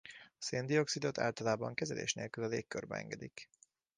A szén-dioxidot általában kezelés nélkül a légkörbe engedik.